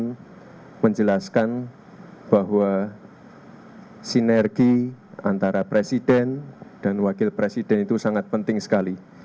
saya ingin menjelaskan bahwa sinergi antara presiden dan wakil presiden itu sangat penting sekali